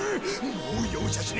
もう容赦しねえ！